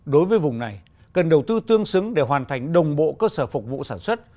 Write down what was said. đối với vùng này cần đầu tư tương xứng để hoàn thành đồng bộ cơ sở phục vụ sản xuất